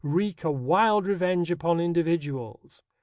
wreak a wild revenge upon individuals."